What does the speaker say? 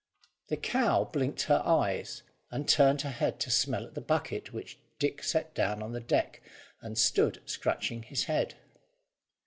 The cow blinked her eyes, and turned her head to smell at the bucket which Dick set down on the deck, and stood scratching his head.